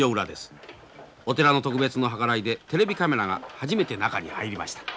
お寺の特別の計らいでテレビカメラが初めて中に入りました。